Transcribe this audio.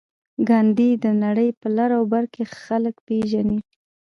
ګاندي د نړۍ په لر او بر کې خلک پېژني.